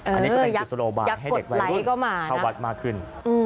อันนี้ก็เป็นกุศโลบาลให้เด็กวัยรุ่นเข้าวัดมากขึ้น